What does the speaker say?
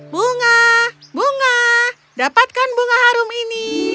bunga bunga dapatkan bunga harum ini